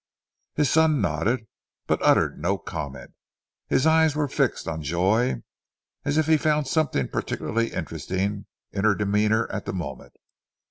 His son nodded, but uttered no comment. His eyes were fixed on Joy, as if he found something particularly interesting in her demeanour at the moment.